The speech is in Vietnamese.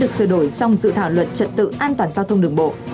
được sửa đổi trong dự thảo luật trật tự an toàn giao thông đường bộ